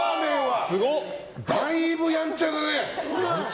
だいぶやんちゃだね。